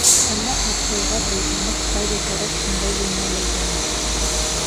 Әллә, аҡылға бойһоноп, ҡайҙа кәрәк, шунда йүнәлергәме?